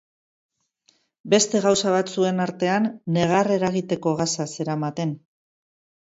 Beste gauza batzuen artean, negar eragiteko gasa zeramaten.